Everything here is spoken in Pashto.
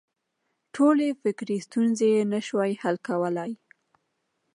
ټولې فکري ستونزې یې نه شوای حل کولای.